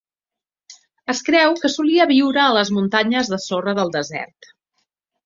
Es creu que solia viure a les muntanyes de sorra del desert.